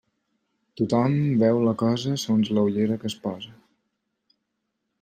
Tothom veu la cosa segons la ullera que es posa.